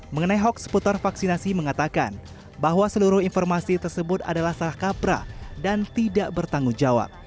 mengenai hoax seputar vaksinasi mengatakan bahwa seluruh informasi tersebut adalah salah kapra dan tidak bertanggung jawab